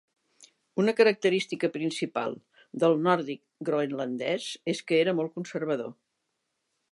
Una característica principal del nòrdic groenlandès és que era molt conservador.